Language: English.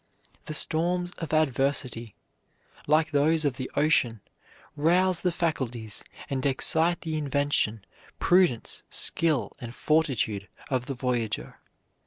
The storms of adversity, like those of the ocean, rouse the faculties, and excite the invention, prudence, skill, and fortitude of the voyager.